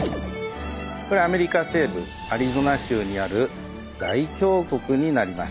これアメリカ西部アリゾナ州にある大峡谷になります。